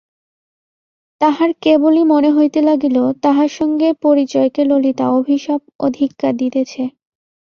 তাহার কেবলই মনে হইতে লাগিল তাহার সঙ্গে পরিচয়কে ললিতা অভিশাপ ও ধিক্কার দিতেছে।